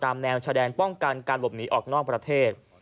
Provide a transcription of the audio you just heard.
ตามแนวแฉดงป้องกันการหลบหนีออกนอกประเทศ